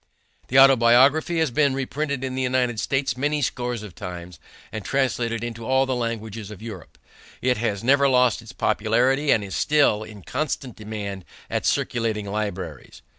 The Autobiography has been reprinted in the United States many scores of times and translated into all the languages of Europe. It has never lost its popularity and is still in constant demand at circulating libraries.